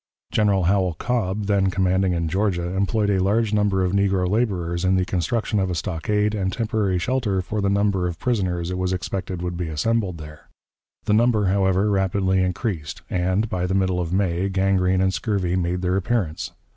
General Howell Cobb, then commanding in Georgia, employed a large number of negro laborers in the construction of a stockade and temporary shelter for the number of prisoners it was expected would be assembled there. The number, however, rapidly increased, and, by the middle of May, gangrene and scurvy made their appearance.